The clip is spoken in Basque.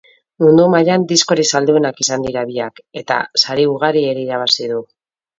Mundu mailan diskorik salduenak izan dira biak eta sari ugari ere irabazi du.